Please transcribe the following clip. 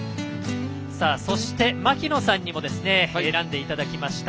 そして、槙野さんにも選んでいただきました。